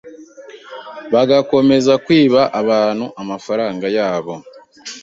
bagakomeza kwiba abantu amafaranga yabo